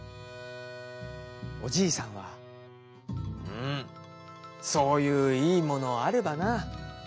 おじいさんは「うんそういういいものあればな。